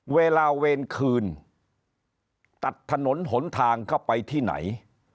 เวลาเวรคืนตัดถนนหนทางเข้าไปที่ไหน